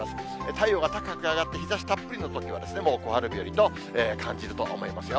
太陽が高く上がって、日ざしたっぷりのときはもう小春日和と感じると思いますよ。